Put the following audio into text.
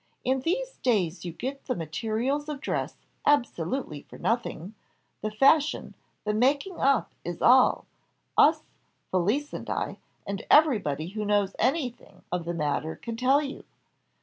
In these days you get the materials of dress absolutely for nothing the fashion the making up is all, us Felicie and I, and everybody who knows anything of the matter, can tell you.